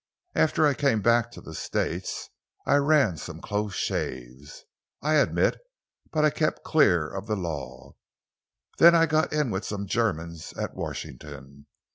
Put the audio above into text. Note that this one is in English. After I came back to the States I ran some close shaves, I admit, but I kept clear of the law. Then I got in with some Germans at Washington.